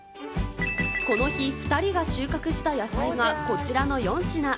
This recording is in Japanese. この日、２人が収穫した野菜がこちらの４品。